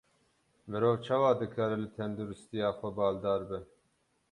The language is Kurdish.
Mirov çawa dikare li tenduristiya xwe baldar be?